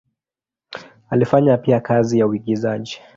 Alifanya pia kazi ya uigizaji.